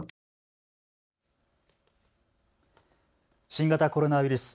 新型コロナウイルス。